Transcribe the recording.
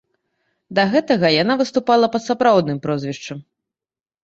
Да гэтага яна выступала пад сапраўдным прозвішчам.